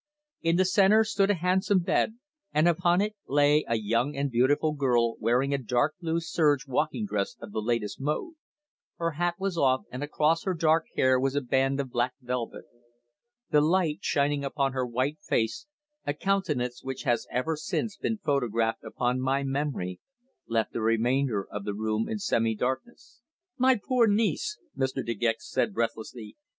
In the centre stood a handsome bed, and upon it lay a young and beautiful girl wearing a dark blue serge walking dress of the latest mode. Her hat was off, and across her dark hair was a band of black velvet. The light, shining upon her white face a countenance which has ever since been photographed upon my memory left the remainder of the room in semi darkness. "My poor niece!" Mr. De Gex said breathlessly.